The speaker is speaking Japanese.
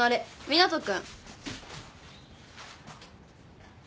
湊斗君